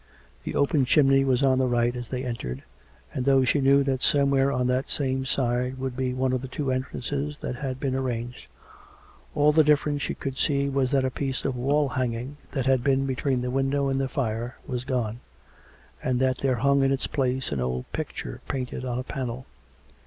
The open chimney was on the right as they entered, and though she knew that somewhere on that same side would be one of the two entrances that had been arranged, all the difference she could see was that a piece of the wall hanging that had been between the window and the fire was gone, and that there hung in its place an old picture painted on a panel.